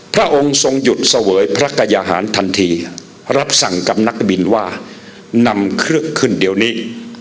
พระองค์ทรงหยุดเสวยพระกายหารทันทีรับสั่งกับนักบินว่านำเครื่องขึ้นเดี๋ยวนี้